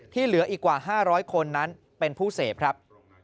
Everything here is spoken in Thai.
เหลืออีกกว่า๕๐๐คนนั้นเป็นผู้เสพครับ